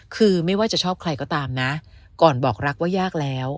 คือไม่ว่าจะชอบใครก็ตามนะก่อนบอกรักว่ายากแล้ว